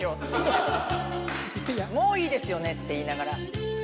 「もういいでしょう」って。って言いながら。